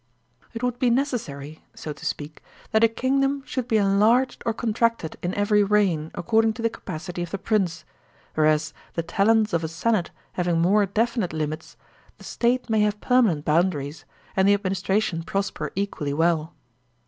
It would be necessary, so to speak, that a kingdom should be enlarged or contracted in every reign, according to the capacity of the prince; whereas, the talents of a senate having more definite lim its, the State may have permanent boundaries, and the administration prosper equally well.